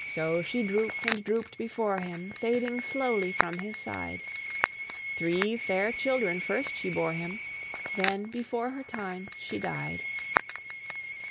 So she droop'd and droop'd before him, Fading slowly from his side; Three fair children first she bore him, Then before her time she died.